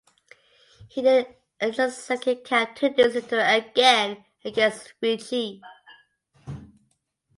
He then earned his second cap two days later again against Fiji.